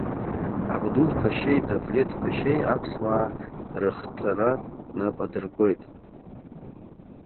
Абдул-ԥашьеи Давлеҭ-ԥашьеи аԥсуаа рыхҵара нап адыркуеит.